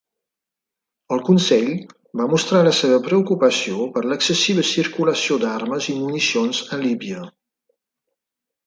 El Consell va mostrar la seva preocupació per l'excessiva circulació d'armes i municions a Líbia.